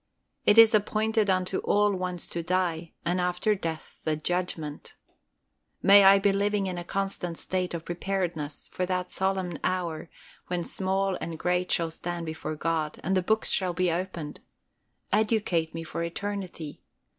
"It is appointed unto all once to die, and after death the judgment." May I be living in a constant state of preparedness for that solemn hour when small and great shall stand before God, and the books shall be opened. Educate me for eternity.